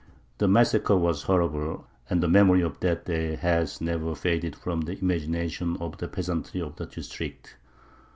The massacre was horrible, and the memory of that day has never faded from the imagination of the peasantry of the district.